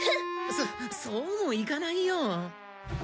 そそうもいかないよ。